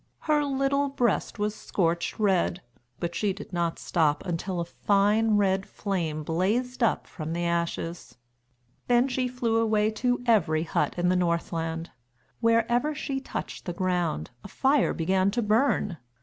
Her little breast was scorched red, but she did not stop until a fine red flame blazed up from the ashes. Then she flew away to every hut in the Northland. Wherever she touched the ground, a fire began to burn.